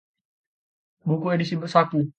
buku edisi saku